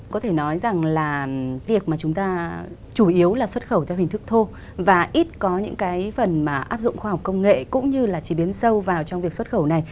có thể nói rằng là việc mà chúng ta chủ yếu là xuất khẩu theo hình thức thô và ít có những cái phần mà áp dụng khoa học công nghệ cũng như là chế biến sâu vào trong việc xuất khẩu này